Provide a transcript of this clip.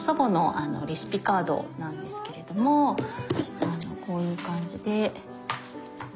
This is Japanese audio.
これはこういう感じで。